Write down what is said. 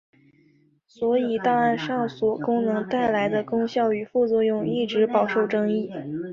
所以档案上锁功能带来的功效与副作用一直饱受争议。